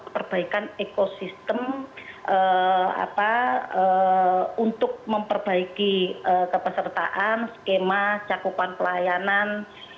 perbaikan ekosistem untuk memperbaiki kepesertaan skema cakupan pelayanan